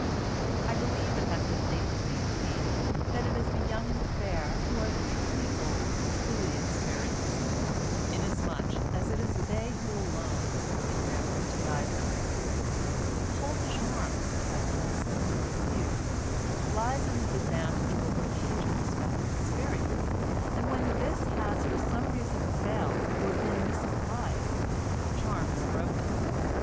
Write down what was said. I believe it has been lately maintained that it is the young and fair who are the truly old and truly experienced, inasmuch as it is they who alone have a living memory to guide them; "the whole charm," it has been said, "of youth lies in its advantage over age in respect of experience, and when this has for some reason failed or been misapplied, the charm is broken.